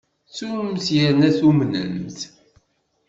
Trumt yerna tumnemt.